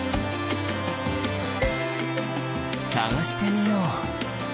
さがしてみよう！